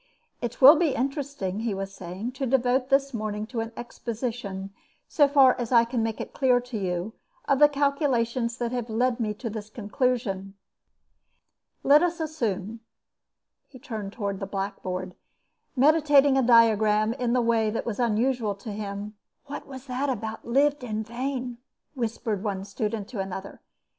"It will be interesting," he was saying, "to devote this morning to an exposition, so far as I can make it clear to you, of the calculations that have led me to this conclusion. Let us assume " He turned towards the blackboard, meditating a diagram in the way that was usual to him. "What was that about 'lived in vain?'" whispered one student to another.